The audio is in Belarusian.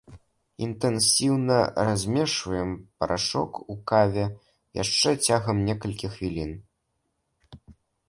Інтэнсіўна размешваем парашок у каве яшчэ цягам некалькіх хвілін.